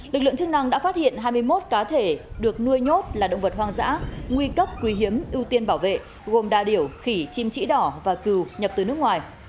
lực lượng chức năng đã phát hiện hai mươi một cá thể được nuôi nhốt là động vật hoang dã nguy cấp quý hiếm ưu tiên bảo vệ gồm đa điểu khỉ chim trĩ đỏ và cừu nhập từ nước ngoài